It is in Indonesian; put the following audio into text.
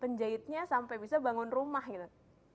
penjahitnya sampai bisa bangun rumah gitu